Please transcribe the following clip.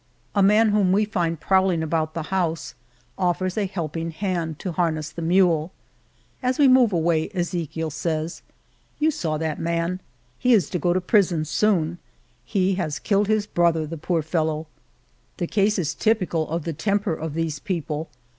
A man whom we find prowling about the house offers a helping hand to harness the mule. As 89 Monteil we move away Ezechiel says :You saw that man ; he is to go to prison soon. He has killed his brother, the poor fellow." The case is typical of the temper of these people.